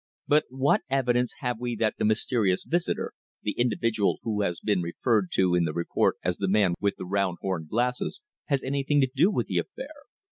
"But what evidence have we that the mysterious visitor the individual who has been referred to in the report as the man with the round horn glasses had anything to do with the affair?"